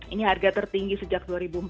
ini harga tertinggi sejak dua ribu empat belas